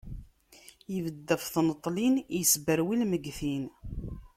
Ibedd ɣef tneṭlin, isberwi lmeggtin.